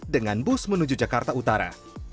dengan bus menuju jakarta utara